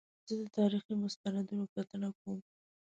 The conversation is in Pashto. زه د تاریخي مستندونو کتنه کوم.